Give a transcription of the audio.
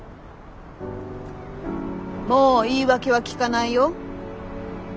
もう言い訳はきかないよ。